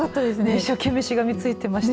一生懸命しがみついていました。